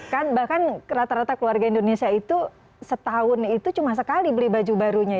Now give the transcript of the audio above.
kan bahkan rata rata keluarga indonesia itu setahun itu cuma sekali beli baju barunya